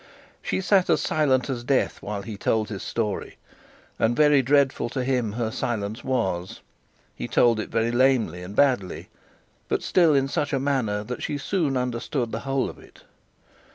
She sat as silent as death while he told his story, and very dreadful to him her silence was. He told it very lamely and badly, but still in such a manner that she soon understood the whole of it.